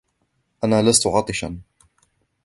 أنا لست عاطشا.